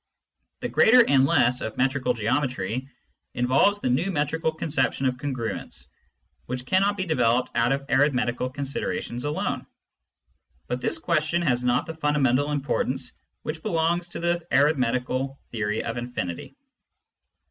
The greater and less of metrical geometry involves the new metrical concep tion of congruence^ which cannot be developed out of arithmetical considerations alone. But this question has not the fundamental importance which belongs to the arithmetical theory of infinity.